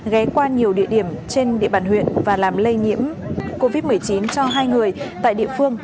ghé qua nhiều địa điểm trên địa bàn huyện và làm lây nhiễm covid một mươi chín cho hai người tại địa phương